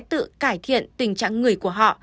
tự cải thiện tình trạng người của họ